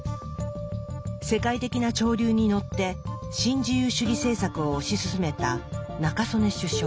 世界的な潮流に乗って新自由主義政策を推し進めた中曽根首相。